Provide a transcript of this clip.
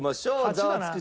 ザワつく！